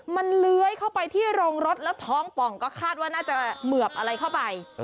มันเลื้อยเข้าไปที่โรงรถแล้วท้องป่องก็คาดว่าน่าจะเหมือบอะไรเข้าไป